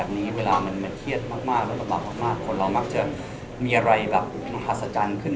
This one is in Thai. กว่าแว็กซีนจะมาแล้วก็เราจะกลับมาทำงานด้วยกันเหมือนเดิมครับอีกสักพักหนึ่ง